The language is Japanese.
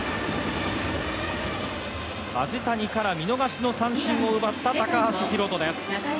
梶谷から見逃しの三振を奪った高橋宏斗です。